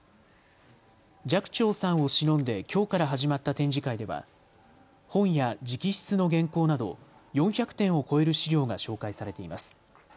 寂聴さんをしのんできょうから始まった展示会では本や直筆の原稿など４００点を超える資料が紹介されています。